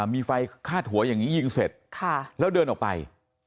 มีไฟคาดหัวอย่างนี้ยิงเสร็จแล้วเดินออกไป